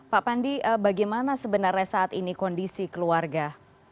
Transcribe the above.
pak pandi bagaimana sebenarnya saat ini kondisi keluarga